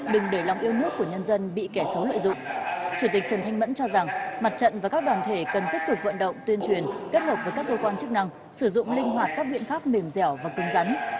đối với các cơ quan chức năng sử dụng linh hoạt các biện pháp mềm dẻo và cưng rắn